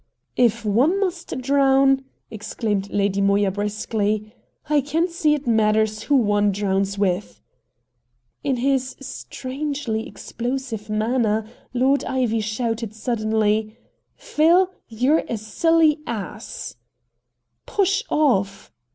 "If one must drown!" exclaimed Lady Moya briskly, "I can't see it matters who one drowns with." In his strangely explosive manner Lord Ivy shouted suddenly: "Phil, you're a silly ass." "Push off!"